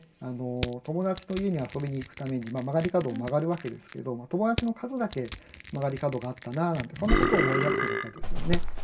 友達と家に遊びに行くために曲がり角を曲がるわけですけど友達の数だけ曲がり角があったななんてそんなことを思い出してる歌ですよね。